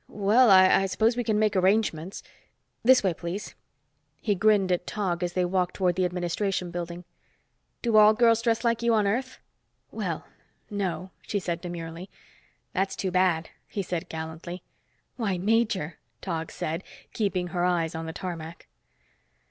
"Well, I suppose we can make arrangements. This way please." He grinned at Tog as they walked toward the administration building. "Do all girls dress like you on Earth?" "Well, no," she said demurely. "That's too bad," he said gallantly. "Why, major!" Tog said, keeping her eyes on the tarmac.